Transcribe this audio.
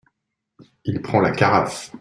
Il prend la carafe.